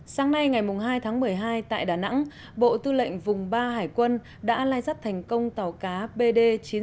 sáng nay ngày hai tháng một mươi hai tại đà nẵng bộ tư lệnh vùng ba hải quân đã lai dắt thành công tàu cá bd chín mươi sáu nghìn ba trăm bốn mươi bốn